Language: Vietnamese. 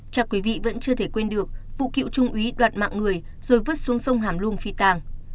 chắc quý vị vẫn chưa thể quên được vụ cựu trung úy đoạt mạng người rồi vớt xuống sông hàm luông phi tàng